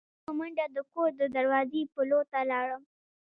زه په منډه د کور د دروازې پلو ته لاړم.